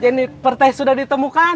jenith per teh sudah ditemukan